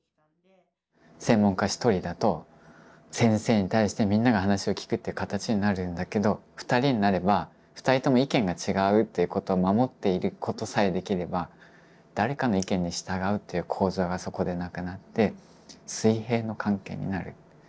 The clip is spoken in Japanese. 専門家１人だと先生に対してみんなが話を聞くっていう形になるんだけど２人になれば２人とも意見が違うということを守っていることさえできれば誰かの意見に従うという構造がそこでなくなって水平の関係になる。